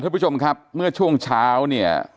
คุณผู้ชมครับเมื่อช่วงเช้าเนี่ย